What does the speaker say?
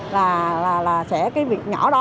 là cái việc nhỏ đó